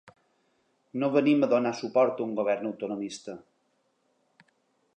No venim a donar suport a un govern autonomista.